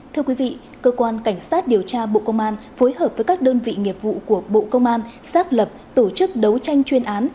thưa quý vị cơ quan cảnh sát điều tra bộ công an phối hợp với các đơn vị nghiệp vụ của bộ công an xác lập tổ chức đấu tranh chuyên án